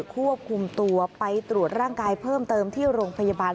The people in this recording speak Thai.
ควบคุมตัวไปตรวจร่างกายเพิ่มเติมที่โรงพยาบาล